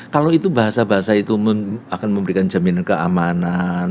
kalau itu bahasa bahasa itu akan memberikan jaminan keamanan